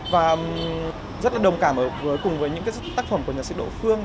và rất là đồng cảm cùng với những tác phẩm của nhạc sĩ đỗ phương